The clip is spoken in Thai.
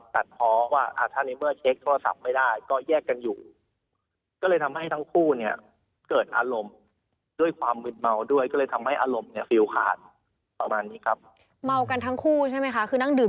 แล้วก็เหมือนกับว่าตัดพ้อว่าอาจารย์ในเมื่อเช็คโทรศัพท์ไม่ได้